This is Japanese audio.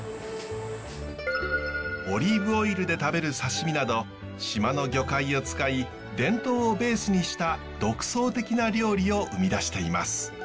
オリーブオイルで食べる刺身など島の魚介を使い伝統をベースにした独創的な料理を生み出しています。